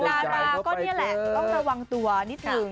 ดาราก็นี่แหละต้องระวังตัวนิดหนึ่ง